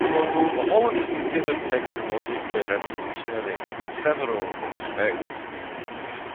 The Holland is considered technologically revolutionary in several respects.